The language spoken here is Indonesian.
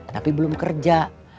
tapi belum kerja